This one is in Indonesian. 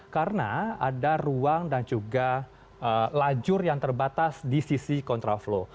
karena ada ruang dan juga lajur yang terbatas di sisi kontraflow